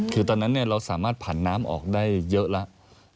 คือตอนนั้นเราสามารถผ่านน้ำออกได้เยอะแล้ว